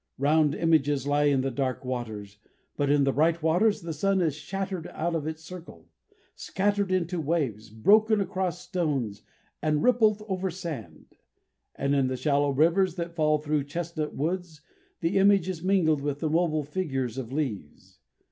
Round images lie in the dark waters, but in the bright waters the sun is shattered out of its circle, scattered into waves, broken across stones, and rippled over sand; and in the shallow rivers that fall through chestnut woods the image is mingled with the mobile figures of leaves.